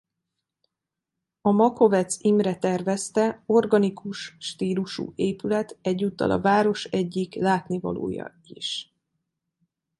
A Makovecz Imre tervezte organikus stílusú épület egyúttal a város egyik látnivalója is.